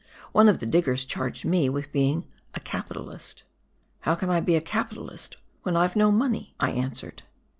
One of the diggers charged me with being " a capitalist." "How can I be a capitalist when I've no money?" I answered.